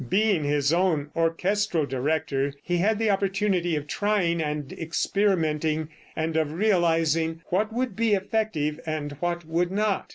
Being his own orchestral director, he had the opportunity of trying and experimenting and of realizing what would be effective and what would not.